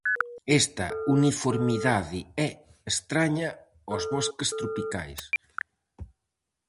Esta uniformidade é estraña aos bosques tropicais.